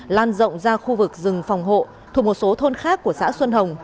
lan rộng ra khu vực rừng phòng hộ thuộc một số thôn khác của xã xuân hồng